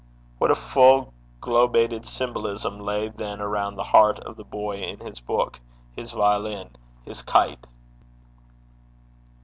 What a full globated symbolism lay then around the heart of the boy in his book, his violin, his kite!